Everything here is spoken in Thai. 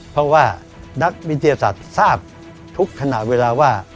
เพราะว่านักวิทยาศาสตร์ทราบทุกขณะเวลาว่า